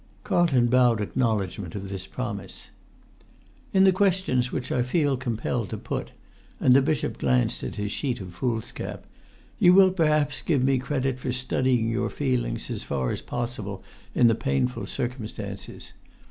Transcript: Carlton bowed acknowledgment of this promise. "In the questions which I feel compelled to put"—and the bishop glanced at his sheet of foolscap—"you will perhaps give me credit for studying your feelings as far as is possible in the painful circumstances.